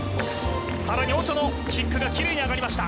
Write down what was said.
さらにオチョのキックがキレイに上がりました